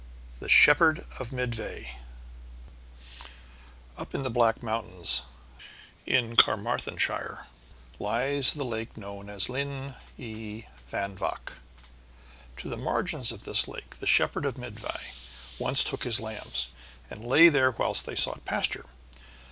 The Shepherd of Myddvai Up in the Black Mountains in Caermarthenshire lies the lake known as Lyn y Van Vach. To the margin of this lake the shepherd of Myddvai once led his lambs, and lay there whilst they sought pasture.